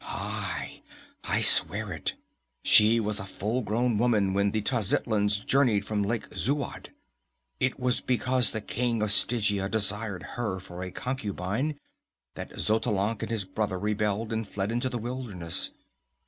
"Aye! I swear it! She was a full grown woman when the Tlazitlans journeyed from Lake Zuad. It was because the king of Stygia desired her for a concubine that Xotalanc and his brother rebelled and fled into the wilderness.